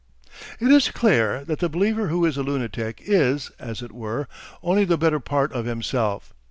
It is clear that the believer who is a lunatic is, as it were, only the better part of himself.